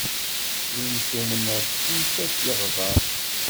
Win tumneḍ, netta a k-iɣder.